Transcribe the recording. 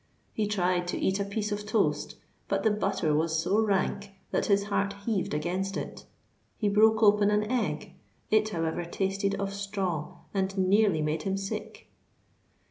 He tried to eat a piece of toast; but the butter was so rank that his heart heaved against it. He broke open an egg: it however tasted of straw, and nearly made him sick.